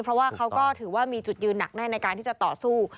เพราะว่าเขาก็ถือว่ามีจุดยืนหนักแน่ในการที่จะต่อสู้